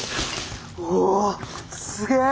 おおすげえ！